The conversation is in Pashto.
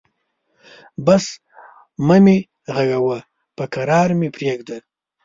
بس مه مې غږوه، به کرار مې پرېږده.